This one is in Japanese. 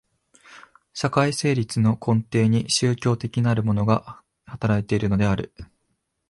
社会成立の根底に宗教的なるものが働いているのである。